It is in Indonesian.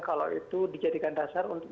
kalau itu dijadikan dasar untuk